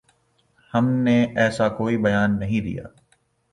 ہم نے ایسا کوئی بیان نہیں دیا